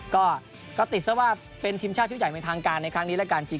ก็ติดซะว่าเป็นทีมชาติชุดใหญ่เป็นทางการในครั้งนี้แล้วกันจริง